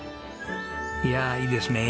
いやあいいですね。